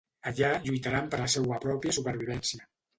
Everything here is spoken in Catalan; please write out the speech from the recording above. Allà lluitaran per la seua pròpia supervivència.